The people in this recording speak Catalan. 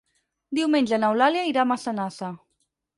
Diumenge n'Eulàlia irà a Massanassa.